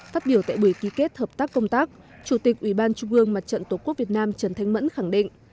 phát biểu tại buổi ký kết hợp tác công tác chủ tịch ủy ban trung ương mặt trận tổ quốc việt nam trần thanh mẫn khẳng định